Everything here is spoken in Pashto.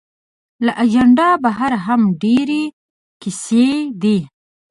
له اجنډا بهر هم ډېرې کیسې دي.